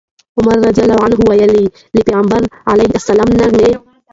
عمر رضي الله عنه وويل: له پيغمبر عليه السلام نه مي